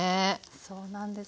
そうなんです。